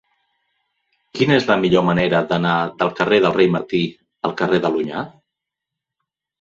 Quina és la millor manera d'anar del carrer del Rei Martí al carrer de l'Onyar?